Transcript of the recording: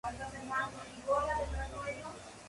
Los privilegios se asocian al perfil del usuario del terminal.